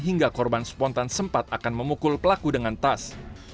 hingga korban spontan sempat akan memukul pelaku dengan tas